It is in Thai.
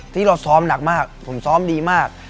ที่เราซ้อมหนักมากผมซ้อมดีมาก